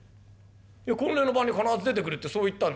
婚礼の晩に必ず出てくるってそう言ったんだけどな。